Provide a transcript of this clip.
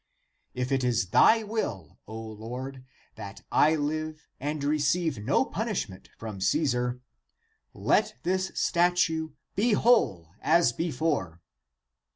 If it is thy will, O Lord, that I live and receive no punishment from Caesar, let this statue be whole as before."